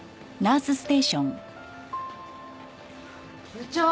部長！